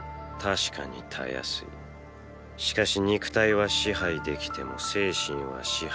しかし肉体は支配できても精神は支配できない。